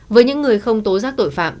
với những người không tố giác tội phạm